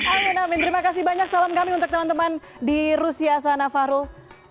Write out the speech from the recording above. amin amin terima kasih banyak salam kami untuk teman teman di rusia sana fahrul